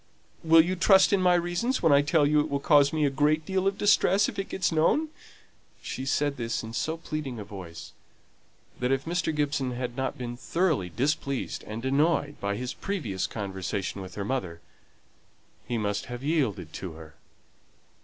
"Will you trust in my reasons when I tell you it will cause me a great deal of distress if it gets known?" She said this in so pleading a voice, that if Mr. Gibson had not been thoroughly displeased and annoyed by his previous conversation with her mother, he must have yielded to her.